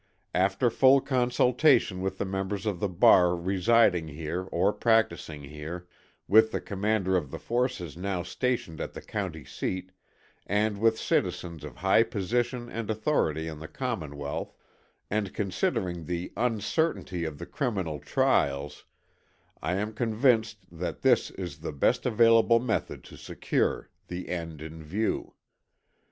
After full consultation with the members of the bar residing here or practising here, with the commander of the forces now stationed at the county seat, and with citizens of high position and authority in the Commonwealth, and considering the uncertainty of the criminal trials, I am convinced that this is the best available method to secure the end in view.